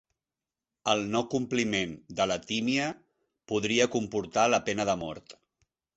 El no-compliment de l'atímia podria comportar la pena de mort.